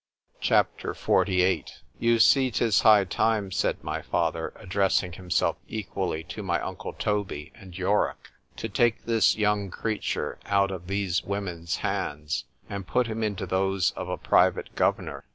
C H A P. XLVIII YOU see 'tis high time, said my father, addressing himself equally to my uncle Toby and Yorick, to take this young creature out of these women's hands, and put him into those of a private governor.